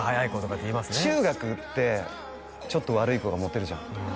中学ってちょっと悪い子がモテるじゃん